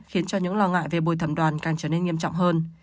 khiến cho những lo ngại về bồi thẩm đoàn càng trở nên nghiêm trọng hơn